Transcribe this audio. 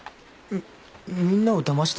みんなをだまして？